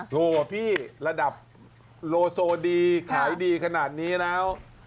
โหพี่ระดับโลโซดีขายดีขนาดนี้แล้ว